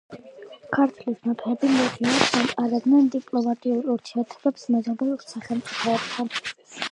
ქართლის მეფეები მუდმივად ამყარებდნენ დიპლომატიურ ურთიერთობებს მეზობელ სახელმწიფოებთან.